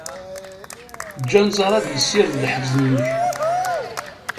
Eǧǧ anẓar ad yessired leḥzen-nnek.